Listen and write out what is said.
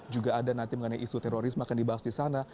juga ada nanti mengenai isu terorisme akan dibahas di sana